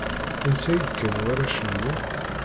Ansa i d-kkan warrac-nni?